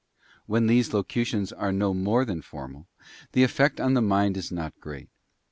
* When these Locutions are no more than formal, the effect on the mind is not great.